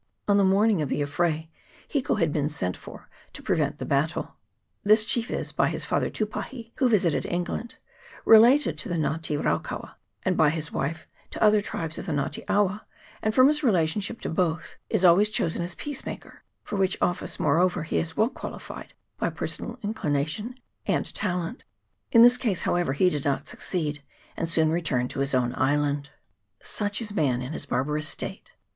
On the morning of the affray Hiko had been sent for to prevent the battle. This chief is, ;tA by his father Tupahi (who visited CHAP. III.] NATIVE TRIBES. 101 England), related to the Nga te raukaua, and by his wife to the other tribes of the Nga te awa, and, from his relationship to both, is always chosen as peacemaker, for which office, moreover, he is well qualified by personal inclination and talent. In this case, however, he did not succeed, and soon returned to his own island. Such is man in his barbarous state!